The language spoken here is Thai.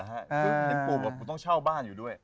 อ๋อคุณปู่ก็ต้องเช่าบ้านอยู่ด้วย